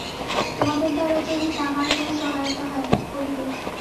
তোমাদের দ্বারা যদি তাঁহার কোন সহায়তা হয়, করিবে।